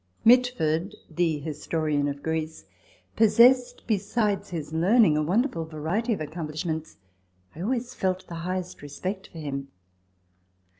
Mitford, the historian of Greece, possessed, be sides his learning, a wonderful variety of accomplish ments. I always felt the highest respect for him.